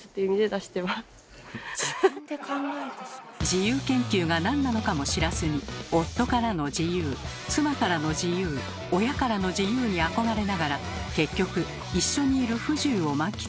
「自由研究」がなんなのかも知らずに夫からの自由妻からの自由親からの自由に憧れながら結局一緒にいる不自由を満喫している皆さん。